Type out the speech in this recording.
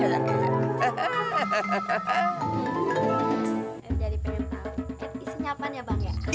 jadi pengen tau isinya apaan ya bang